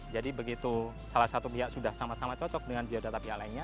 begitu salah satu pihak sudah sama sama cocok dengan biodata pihak lainnya